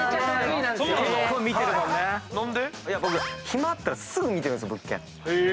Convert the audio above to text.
暇あったらすぐ見てるんですよ物件。